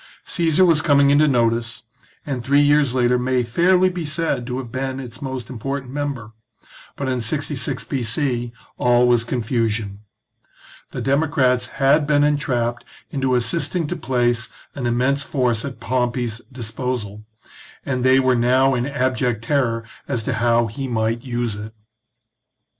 Caesar was coming into notice, and three years later may fairly be said to have been its most XXll INTRODUCTION TO THE important member ; but in 66 B.C. all was confusion. The democrats had been entrapped into assisting to place an immense force at Pompey's disposal, and they were now in abject terror as to how he might use it.